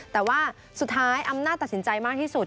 แต่ว่าสุดท้ายอำนาจตัดสินใจมากที่สุด